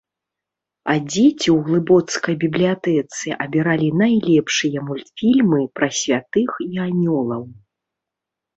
А дзеці ў глыбоцкай бібліятэцы абіралі найлепшыя мультфільмы пра святых і анёлаў.